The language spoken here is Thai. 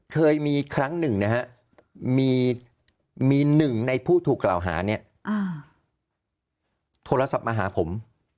เคยมีครั้งหนึ่งนะฮะมีหนึ่งในผู้ถูกกล่าวหาเนี่ยโทรศัพท์มาหาผม